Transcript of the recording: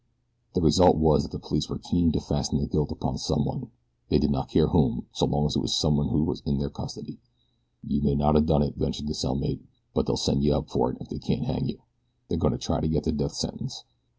The result was that the police were keen to fasten the guilt upon someone they did not care whom, so long as it was someone who was in their custody. "You may not o' done it," ventured the cell mate; "but they'll send you up for it, if they can't hang you. They're goin' to try to get the death sentence.